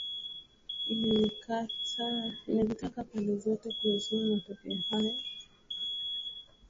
imezitaka pande zote kuhesimu matokeo hayo na kumaliza tofauti zozote walizonazo